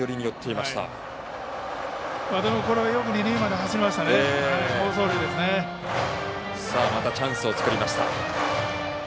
またチャンスを作りました。